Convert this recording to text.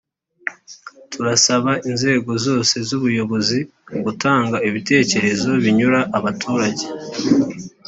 turasaba inzego zose z’ubuyobozi gutanga ibitekerezo binyura abaturage